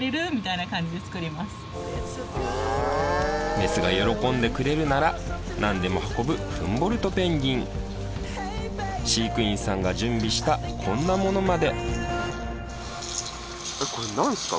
メスが喜んでくれるなら何でも運ぶフンボルトペンギン飼育員さんが準備したこんなものまでこれ何ですか？